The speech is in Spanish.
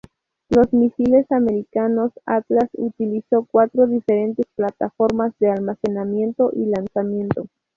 Los misiles americanos Atlas utilizó cuatro diferentes plataformas de almacenamiento y lanzamiento.